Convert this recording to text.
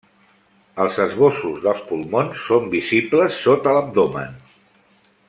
Els esbossos dels pulmons són visibles sota l'abdomen.